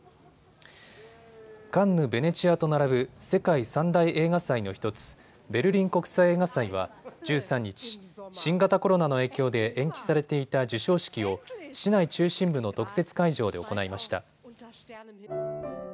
カンヌ、ベネチアと並ぶ世界３大映画祭の１つ、ベルリン国際映画祭は１３日、新型コロナの影響で延期されていた授賞式を市内中心部の特設会場で行いました。